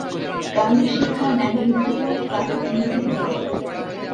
গানের শিক্ষা নেন হিন্দুস্থান ক্লাসিক মিউজিক থেকে।